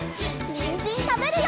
にんじんたべるよ！